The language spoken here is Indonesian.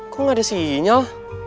kok gak ada sinyal